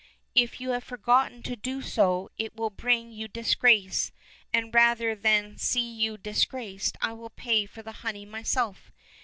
"If you have forgotten to do so it will bring you disgrace, and rather than see you dis graced I will pay for the honey myself.